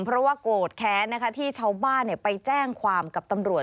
เพราะว่าโกรธแค้นนะคะที่ชาวบ้านไปแจ้งความกับตำรวจ